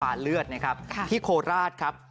เลือดนะครับที่โคราชครับ